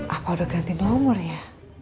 ah udah ganti nomor ya